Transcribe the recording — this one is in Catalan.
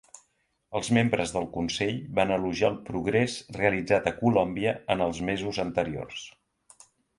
Els membres del Consell van elogiar el progrés realitzat a Colòmbia en els mesos anteriors.